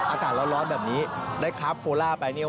อากาศร้อนแบบนี้ได้คาร์ฟโคล่าไปเนี่ย